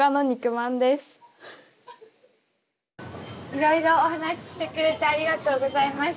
いろいろお話ししてくれてありがとうございました。